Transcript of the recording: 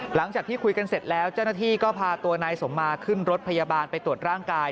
หลังจากที่คุยกันเสร็จแล้วเจ้าหน้าที่ก็พาตัวนายสมมาขึ้นรถพยาบาลไปตรวจร่างกาย